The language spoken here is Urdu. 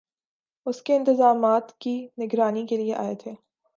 اس کے انتظامات کی نگرانی کیلئے آئے تھے